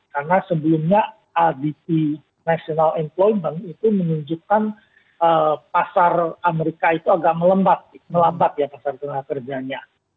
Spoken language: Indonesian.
karena sebelumnya adp national employment itu menunjukkan pasar amerika itu agak melembab melembab ya pasar tengah kerjanya